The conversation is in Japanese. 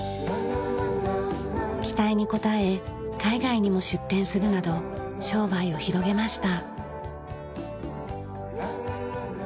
期待に応え海外にも出店するなど商売を広げました。